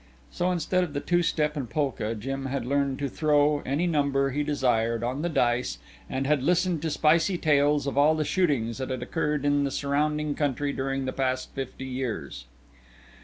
So instead of the two step and polka, Jim had learned to throw any number he desired on the dice and had listened to spicy tales of all the shootings that had occurred in the surrounding country during the past fifty years.